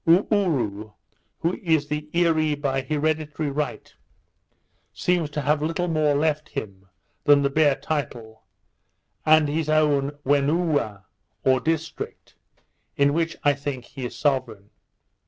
Oo oo rou, who is the Earee by hereditary right, seems to have little more left him than the bare title, and his own Whenooa or district, in which I think he is sovereign.